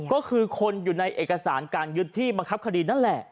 ก็คือคนอยู่ในเอกสารการยึดที่บังคับคดีนั่นแหละ